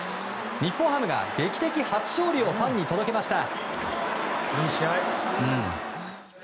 日本ハムが劇的初勝利をファンに届けました。